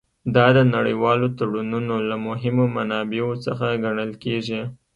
دا د نړیوالو تړونونو له مهمو منابعو څخه ګڼل کیږي